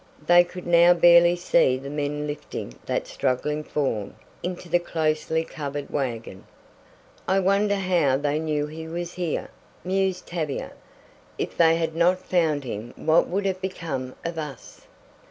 They could now barely see the men lifting that struggling form into the closely covered wagon. "I wonder how they knew he was here?" mused Tavia. "If they had not found him what would have become of us?"